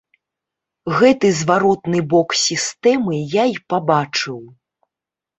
Гэты зваротны бок сістэмы я і пабачыў.